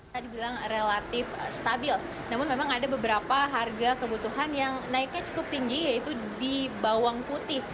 tadi bilang relatif stabil namun memang ada beberapa harga kebutuhan yang naiknya cukup tinggi yaitu di bawang putih